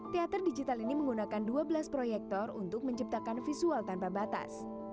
teater digital ini menggunakan dua belas proyektor untuk menciptakan visual tanpa batas